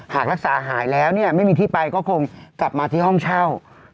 หากรักษาหายแล้วเนี่ยไม่มีที่ไปก็คงกลับมาที่ห้องเช่า